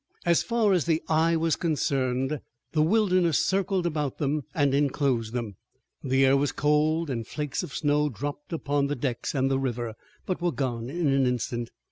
As far as the eye was concerned the wilderness circled about them and enclosed them. The air was cold and flakes of snow dropped upon the decks and the river, but were gone in an instant.